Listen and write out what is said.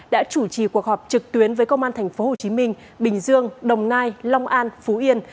đã chủ trì cuộc họp trực tuyến với công an tp hcm bình dương đồng nai long an phú yên